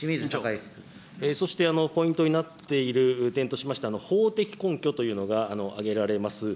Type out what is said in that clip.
そして、ポイントになっている点としまして、法的根拠というのが挙げられます。